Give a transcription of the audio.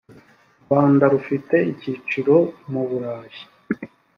rwanda rufite icyicaro muburayi